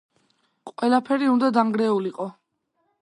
ყველაფერი უნდა დანგრეულიყო.